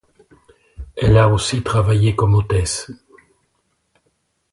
Elle a aussi travaillé comme hôtesse.